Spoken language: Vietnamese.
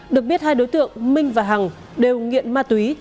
được biết hai đối tượng minh và hằng đều nghiện ma túy